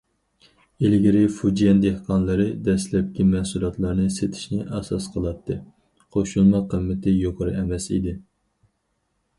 ئىلگىرى فۇجيەن دېھقانلىرى دەسلەپكى مەھسۇلاتلارنى سېتىشنى ئاساس قىلاتتى، قوشۇلما قىممىتى يۇقىرى ئەمەس ئىدى.